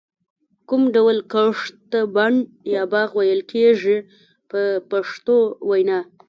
کوم ډول کښت ته بڼ یا باغ ویل کېږي په پښتو وینا.